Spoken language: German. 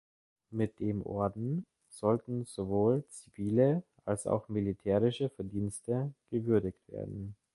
Mit dem Orden sollten sowohl zivile als auch militärische Verdienste gewürdigt werden.